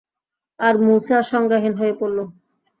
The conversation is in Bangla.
আর মূসা সংজ্ঞাহীন হয়ে পড়ল।